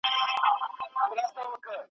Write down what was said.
تازه ګلونه د باغوان له لاسه ورژېدل .